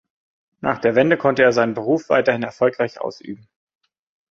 Nach der Wende konnte er seinen Beruf weiterhin erfolgreich ausüben.